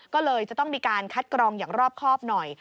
ก็เลยจะต้องมีการคัดกรองอย่างรอบครอบหน่อย